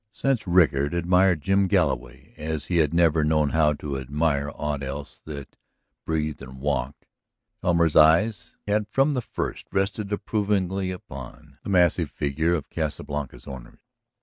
Since Rickard admired Jim Galloway as he had never known how to admire aught else that breathed and walked, Elmer's eyes had from the first rested approvingly upon the massive figure of Casa Blanca's owner.